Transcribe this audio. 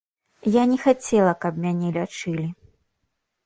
Я не хацела, каб мяне лячылі.